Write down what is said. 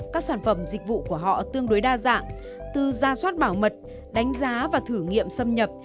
các sản phẩm dịch vụ của họ tương đối đa dạng từ ra soát bảo mật đánh giá và thử nghiệm xâm nhập